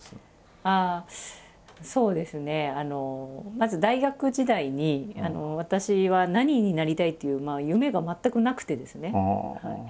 まず大学時代に私は何になりたいという夢が全くなくてですね。